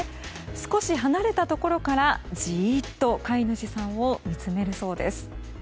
少し離れたところからじーっと飼い主さんを見つめるそうです。